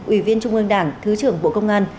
ủy viên trung ương đảng thứ trưởng bộ công an